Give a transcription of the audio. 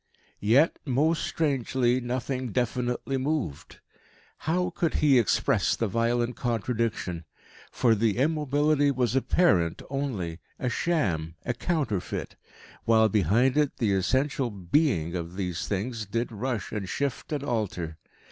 Yet, most strangely, nothing definitely moved. How could he express the violent contradiction? For the immobility was apparent only a sham, a counterfeit; while behind it the essential being of these things did rush and shift and alter.